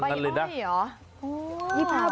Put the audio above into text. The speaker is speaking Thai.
ข้าวหน้าบี้ด้วยหรือ